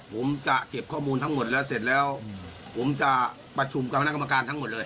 ผมจะเก็บข้อมูลทั้งหมดแล้วเสร็จแล้วผมจะประชุมกับคณะกรรมการทั้งหมดเลย